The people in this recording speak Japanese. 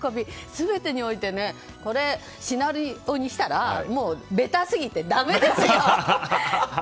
全てにおいてこれ、シナリオにしたらベタすぎてだめですよ。